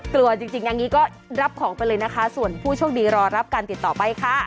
กลัวจริงอย่างนี้ก็รับของไปเลยนะคะส่วนผู้โชคดีรอรับการติดต่อไปค่ะ